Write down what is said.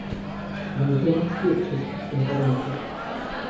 Samozřejmostí je přístup k internetu.